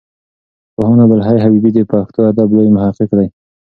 پوهاند عبدالحی حبیبي د پښتو ادب لوی محقق دی.